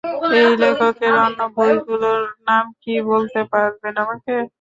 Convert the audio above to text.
এই লেখকের অন্য বইগুলোর নাম কি বলতে পারবেন আমাকে?